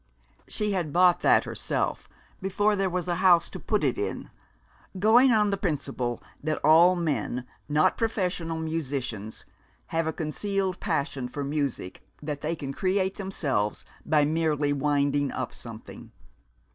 She had bought that herself, before there was a house to put it in, going on the principle that all men not professional musicians have a concealed passion for music that they can create themselves by merely winding up something.